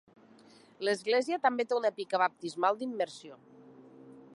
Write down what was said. L'església també té una pica baptismal d'immersió.